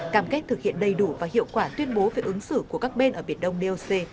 cam kết thực hiện đầy đủ và hiệu quả tuyên bố về ứng xử của các bên ở biển đông doc